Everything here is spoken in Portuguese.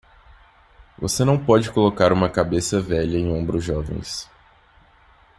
Você não pode colocar uma cabeça velha em ombros jovens.